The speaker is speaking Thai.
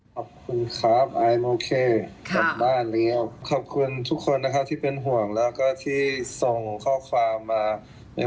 แบบเหมือนกันแน่นเขาเหมือนยังเจ็บอยู่